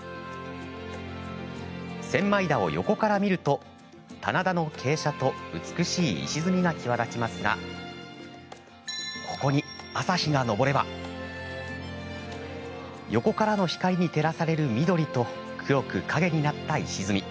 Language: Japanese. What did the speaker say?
千枚田を横から見ると棚田の傾斜と美しい石積みが際立ちますがここに朝日が昇れば横からの光に照らされる緑と黒く影になった石積み。